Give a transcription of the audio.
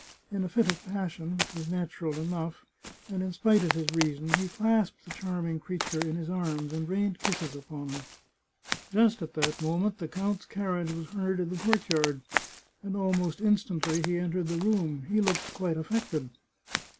In a fit of passion, which was natural enough, and in spite of his reason, he clasped the charming creature in his arms and rained kisses upon her. Just at that moment the count's carriage was heard in the courtyard, and almost instantly he entered the room. He looked quite aflFected.